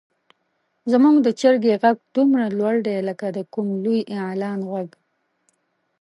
زموږ د چرګې غږ دومره لوړ دی لکه د کوم لوی اعلان غږ.